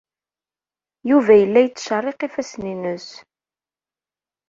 Yuba yella yettcerriq ifassen-nnes.